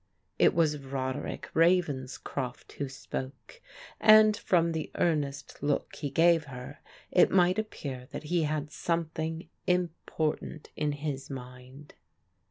It was Roderick Ravenscroft who spoke, and from the earnest look he gave her it might appear that he had something important in his mind.